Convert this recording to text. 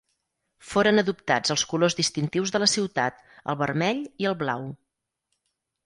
Foren adoptats els colors distintius de la ciutat, el vermell i el blau.